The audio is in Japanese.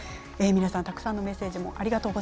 皆さん、たくさんのメッセージ